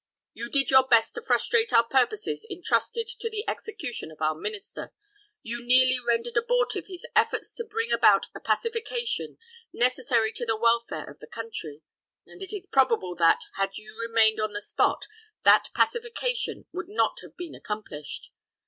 You did your best to frustrate our purposes intrusted to the execution of our minister. You nearly rendered abortive his efforts to bring about a pacification, necessary to the welfare of the country; and it is probable that, had you remained on the spot, that pacification would not have been accomplished.